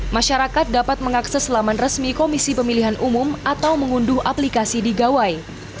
masyarakat dapat mengakses laman resmi komisi pemilihan umum atau mengunduh aplikasi di gawai